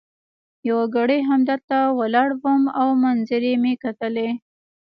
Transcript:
یو ګړی همدلته ولاړ وم او منظرې مي کتلې.